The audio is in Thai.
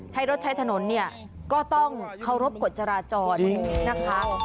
รถใช้ถนนเนี่ยก็ต้องเคารพกฎจราจรนะคะ